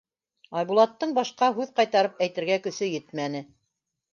Айбулаттың башҡа һүҙ ҡайтарып әйтергә көсө етмәне.